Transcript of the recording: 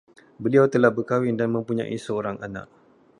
Beliau telah berkahwin dan mempunyai seorang anak